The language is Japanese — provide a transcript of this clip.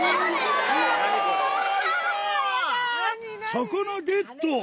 魚ゲット！